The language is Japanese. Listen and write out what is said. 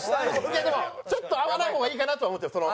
いやでもちょっと会わない方がいいかなとは思ってます。